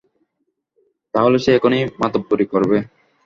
তাহলে সেই এখন মাতব্বরি করবে?